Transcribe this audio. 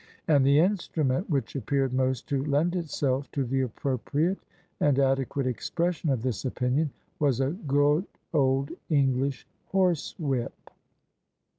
And the instrument which appeared most to lend itself to the appropriate and adequate expression of this opinion was a good old English horsewhip.